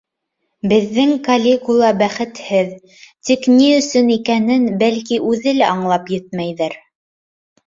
Беҙҙең Калигула бәхетһеҙ, тик ни өсөн икәнен, бәлки, үҙе лә аңлап етмәйҙер.